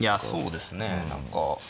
そうですね何か。